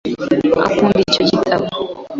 Akunda icyo gitabo .